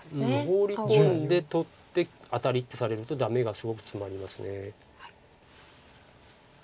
ホウリ込んで取ってアタリとされるとダメがすごくツマります。